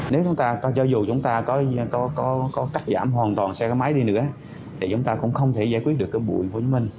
nếu chúng ta cho dù chúng ta có cắt giảm hoàn toàn xe máy đi nữa thì chúng ta cũng không thể giải quyết được bụi tp hcm